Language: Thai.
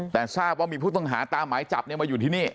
แต่ทราบว่ามีผู้ต้องหาตามหมายจับมาอยู่ที่นี่